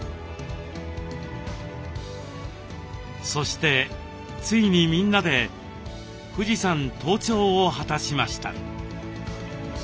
そしてついにみんなで富士山登頂を果たしました。